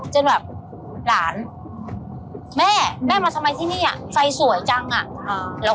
จนแบบหลานแม่แม่มาทำไมที่นี่อ่ะไฟสวยจังอ่ะ